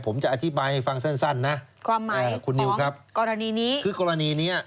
ผมจะอธิบายให้ฟังสั้นสั้นนะความหมายคุณนิวครับกรณีนี้คือกรณีเนี้ย